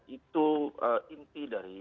itu inti dari